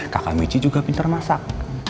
kakak michi juga pinter masak